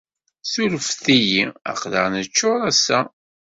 Ssuref-iyi. Aql-aɣ neččuṛ ass-a.